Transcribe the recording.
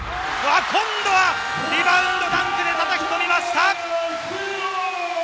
今度はリバウンドダンクで沈めました！